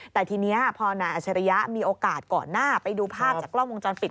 แต่ทีนี้พอนายอัชริยะมีโอกาสก่อนหน้าไปดูภาพจากกล้องวงจรปิด